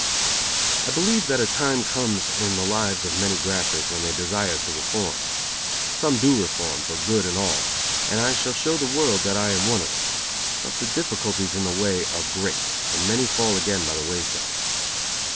I believe that a time comes in the lives of many grafters when they desire to reform. Some do reform for good and all, and I shall show the world that I am one of them; but the difficulties in the way are great, and many fall again by the wayside.